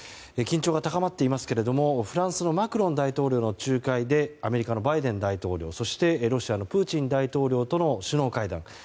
緊張が高まっていますけどフランスのマクロン大統領の仲介でアメリカのバイデン大統領そしてロシアのプーチン大統領との首脳会談